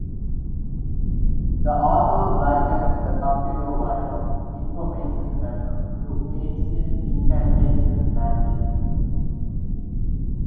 The author likens the computer virus (information weapon) to ancient incantation magic.